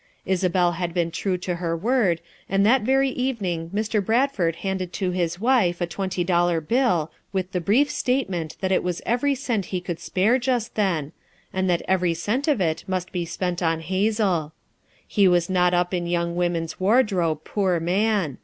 Isabel had been true to her word and that very evening Mr. Bradford handed to his wife a twenty dollar bill with the brief state ment that it was every cent he could spare just 54 FOUE MOTHERS AT CHAUTAUQUA then, and that every cent of it must be spent on Hazel. He was not up in young women's wardrobe, poor man!